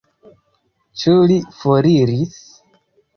Ĉu li foriris?